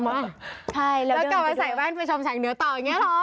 แล้วกลับมาใส่แว่นไปชมแสงเหนือต่ออย่างนี้หรอ